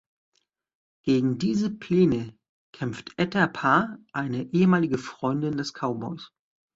Gegen diese Pläne kämpft Etta Parr, eine ehemalige Freundin des Cowboys.